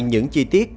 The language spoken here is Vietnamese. những chi tiết